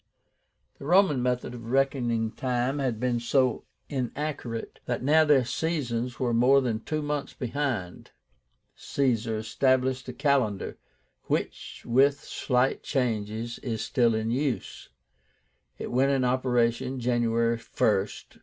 The Roman method of reckoning time had been so inaccurate, that now their seasons were more than two months behind. Caesar established a calendar, which, with slight changes, is still in use. It went into operation January 1st, 45.